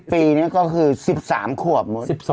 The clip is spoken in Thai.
ถ้า๓๐ปีนี่ก็คือ๑๓ขวบ